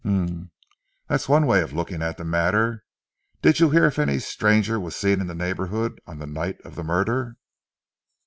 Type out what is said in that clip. "Humph! That is one way of looking at the matter. Did you hear if any stranger was seen in the neighbourhood on the night of the murder?"